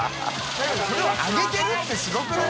海譴あげてるってすごくない？